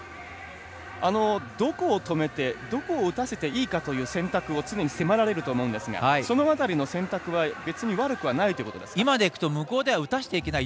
どこを止めてどこを打たせていいかという選択を常に迫られると思うんですがその中での選択は別に悪くはないということでしょうか。